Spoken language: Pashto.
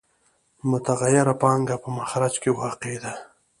متغیره پانګه په مخرج کې واقع ده